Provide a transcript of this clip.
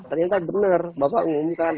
ternyata benar bapak mengumumkan